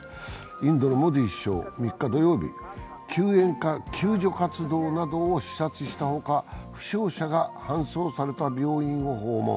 インドのモディ首相、３日土曜日、救助活動などを視察したほか負傷者が搬送された病院を訪問。